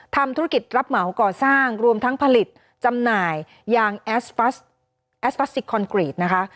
ทำธุรกิจรับเหมาก่อสร้างรวมทั้งผลิตจำหน่ายยางแอสพลาสติกคอนกรีตนะคะ